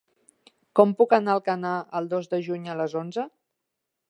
Com puc anar a Alcanar el dos de juny a les onze?